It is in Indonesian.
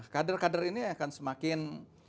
kader kader ini akan semakin